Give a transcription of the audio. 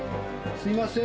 すいません。